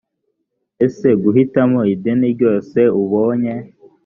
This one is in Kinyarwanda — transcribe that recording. ese guhitamo idini ryose ubonye